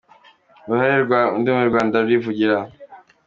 Uruhare rwa ndi umunyarwanda rurivugira.